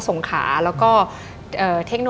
ดิงกระพวน